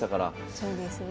そうですね。